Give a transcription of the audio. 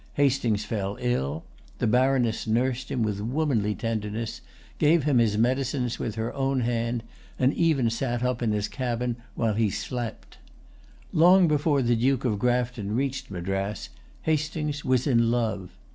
Hastings fell ill. The baroness nursed him with womanly tenderness, gave him his medicines with her own hand, and even sat up in his cabin while he slept. Long before the Duke of Grafton reached Madras, Hastings was in love.